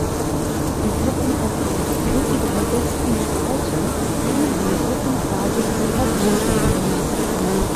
Die Gruppenersten und die drei besten Zweiten kommen in die Gruppenphase des Hauptturniers.